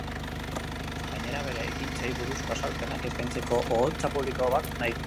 Gainera, bere ekintzei buruzko azalpenak eskaintzeko oholtza publiko bat nahi du.